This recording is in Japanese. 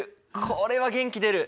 これは元気出る！